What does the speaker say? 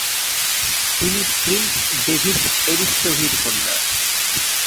তিনি prince David এরিস্টভির কন্যা।